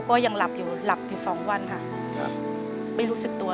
เปลี่ยนเพลงเพลงเก่งของคุณและข้ามผิดได้๑คำ